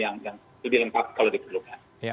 yang lebih lengkap kalau diperlukan